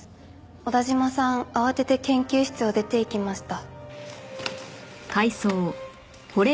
小田嶋さん慌てて研究室を出ていきました。